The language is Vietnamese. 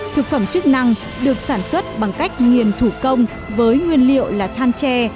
thực phẩm chức năng được sản xuất bằng cách nghiền thủ công với nguyên liệu là than tre